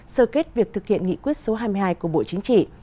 sơ kết việc thực hiện nghị quyết số hai mươi hai của bộ chính trị